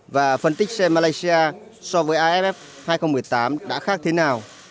và phân tích xem malaysia so với aff hai nghìn một mươi tám đã khác thế nào